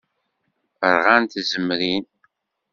Ṛɣant tzemrin.